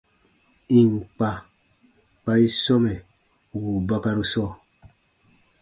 Ì n kpa, kpa i sɔmɛ wùu bakaru sɔɔ.